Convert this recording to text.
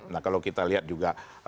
nah kalau kita lihat juga